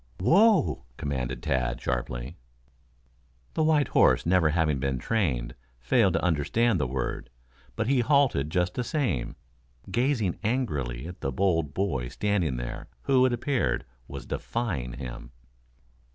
"Whoa!" commanded Tad sharply. The white horse never having been trained, failed to understand the word, but he halted just the same, gazing angrily at the bold boy standing there, who, it appeared, was defying him.